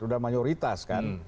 sudah mayoritas kan